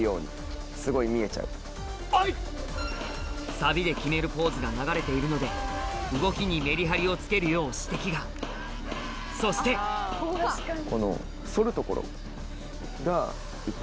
サビで決めるポーズが流れているので動きにメリハリをつけるよう指摘がそしてグッて。